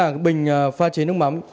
và đây chính là bình pha chế nước mắm